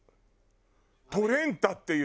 トレンタっていう。